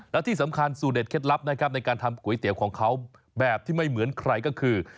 และที่สำคัญสูตรเด็ดเคล็ดลับนะครับในการทำก๋วยเตี๋ยวของเขาแบบที่ไม่เหมือนใครก็คือ